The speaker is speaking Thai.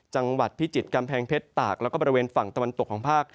จังหวัดพิจิตรกำแพงเพชรตากแล้วก็บริเวณฝั่งตะวันตกของภาค